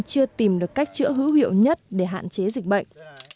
chưa tìm được cách chữa hữu hiệu nhất để hạn chế dịch bệnh